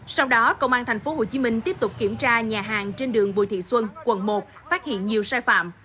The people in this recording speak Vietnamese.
sau đó công an tp hcm tiếp tục kiểm tra nhà hàng trên đường bùi thị xuân quận một phát hiện nhiều sai phạm